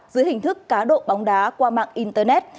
dưới hình thức cá độ bóng đá qua mạng internet